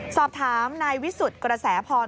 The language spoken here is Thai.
สอบถามนายวิสุทธิ์กระแสพร